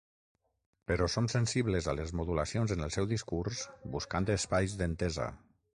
Però som sensibles a les modulacions en el seu discurs buscant espais d’entesa.